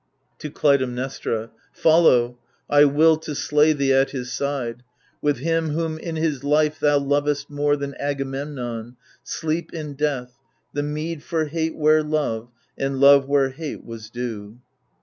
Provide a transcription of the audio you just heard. [To Clytemnestra, Follow ; I will to slay thee at his side. With him whom in his life thou lovedst more Than Agamemnon, sleep in death, the meed For hate where love, and love where hate was due